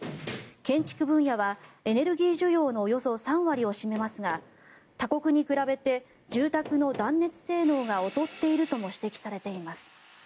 建築分野はエネルギー需要のおよそ３割を占めますが他国に比べて住宅の断熱性能が劣っているとも指摘されています。